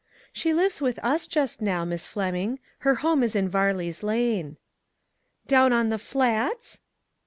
"She lives with us just now, Miss Flem ing ; her home is in Varley's Lane." "Down on the Flats?"